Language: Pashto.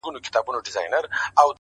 خداى به خوښ هم له سر کار هم له قاضي وي-